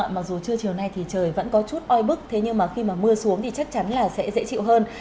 mặc dù trưa chiều nay trời vẫn có chút oi bức nhưng khi mưa xuống thì chắc chắn sẽ dễ chịu hơn